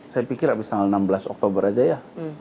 saya pikir abis tanggal enam belas oktober aja ya